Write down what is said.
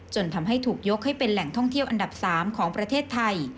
จนทำให้ถูกยกให้เป็นแหล่งท่องเที่ยวอันดับ๓ของประเทศไทย